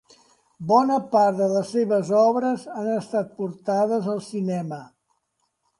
Bona part de les seves obres han estat portades al cinema.